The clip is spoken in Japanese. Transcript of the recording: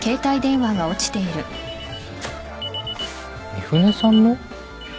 ・三船さんの？